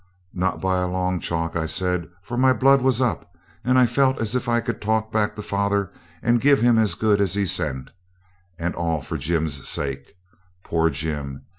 'Not by a long chalk,' I said, for my blood was up, and I felt as if I could talk back to father and give him as good as he sent, and all for Jim's sake. Poor Jim!